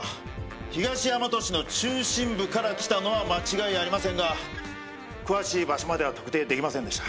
東大和市の中心部から来たのは間違いありませんが詳しい場所までは特定できませんでした。